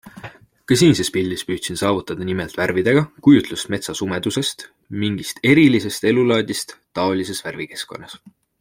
Ka siinses pildis püüdsin saavutada nimelt värvidega kujutlust metsa sumedusest, mingist erilisest elulaadist taolises värvikeskkonnas.